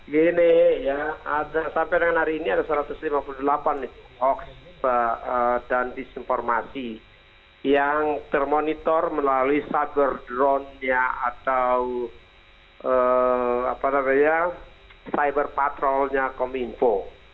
gini ya ada sampai dengan hari ini ada satu ratus lima puluh delapan hoax dan disinformasi yang termonitor melalui cyber drone nya atau cyber patrolnya kominfo